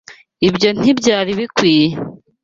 Ibyo ntibyari bikwiye.